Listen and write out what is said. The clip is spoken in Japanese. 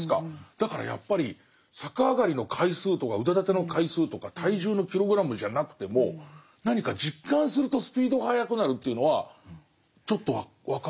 だからやっぱり逆上がりの回数とか腕立ての回数とか体重のキログラムじゃなくても何か実感するとスピードが速くなるというのはちょっと分かる。